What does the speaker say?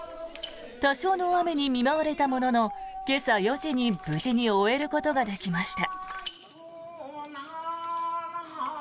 多少の雨に見舞われたものの今朝４時に無事に終えることができました。